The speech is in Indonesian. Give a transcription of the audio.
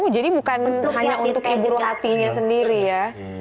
oh jadi bukan hanya untuk ibu rohatinya sendiri ya